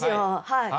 はい。